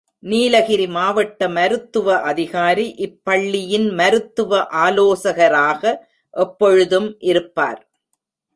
நீலகிரி மாவட்ட மருத்துவ அதிகாரி, இப் பள்ளியின் மருத்துவ ஆலோசகராக எப்பொழுதும் இருப்பார்.